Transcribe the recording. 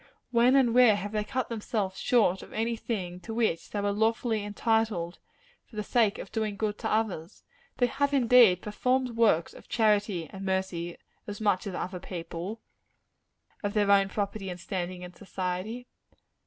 When and where have they cut themselves short of any thing to which they were lawfully entitled, for the sake of doing good to others? They have, indeed, performed works of charity and mercy, as much as other people of their own property and standing in society.